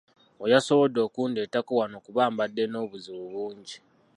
Oyo y'asobodde okundeetako wano kuba mbadde n'obuzibu bungi.